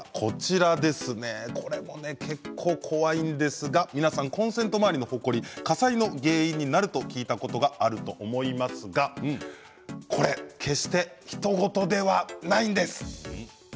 これも結構怖いんですが皆さんコンセント周りのほこり火災の原因になると聞いたことがあると思いますがこれ決してひと事ではないんです。